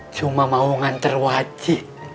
cuma mau nganter wajit